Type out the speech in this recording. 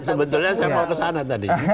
sebetulnya saya mau kesana tadi